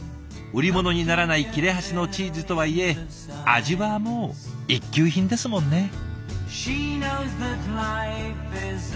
売り物にならない切れ端のチーズとはいえ味はもう一級品ですもんね。